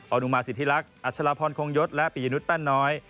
อนุมาสิทธิลักษณ์อัชลาพรคงยศและปียนุษยแป้นน้อย